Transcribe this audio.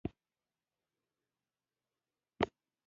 هغه، چې له ډاره یې ورتلی نشو څوک خواته